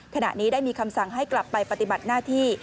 ขณะนี้ได้มีคำสั่งให้กลับไปปฏิบัติหน้าที่